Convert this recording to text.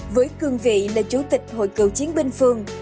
với cương vị là chủ tịch hội cựu chiến binh phương